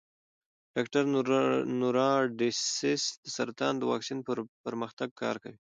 ډاکټر نورا ډسیس د سرطان د واکسین پر پرمختګ کار کوي.